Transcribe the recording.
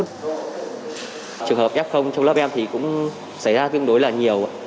trường hợp f trong lớp em thì cũng xảy ra tương đối là nhiều